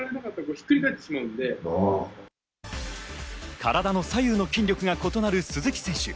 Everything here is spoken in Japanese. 体の左右の筋力が異なる鈴木選手。